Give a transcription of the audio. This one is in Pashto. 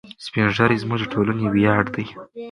سپین ږیري زموږ د ټولنې ویاړ دي.